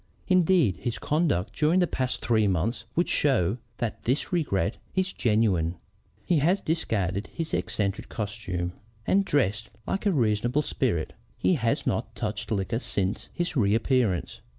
Indeed, his conduct during the past three months would show that this regret is genuine. He has discarded his eccentric costume, and dresses like a reasonable spirit. He has not touched liquor since his reappearance.